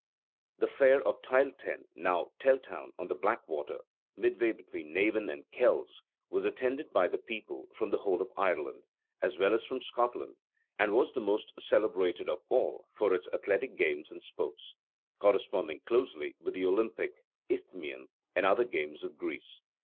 The Fair of Tailltenn, now Teltown on the Blackwater, midway between Navan and Kells, was attended by people from the whole of Ireland, as well as from Scotland, and was the most celebrated of all for its athletic games and sports: corresponding closely with the Olympic, Isthmian, and other games of Greece.